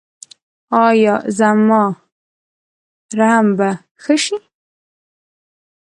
ایا زما رحم به ښه شي؟